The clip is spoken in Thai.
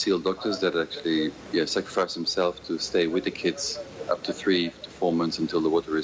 เพราะมันจะคงไม่ได้ช่วยกันหรือได้ต้องกลับมา